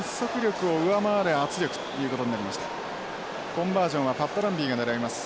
コンバージョンはパットランビーが狙います。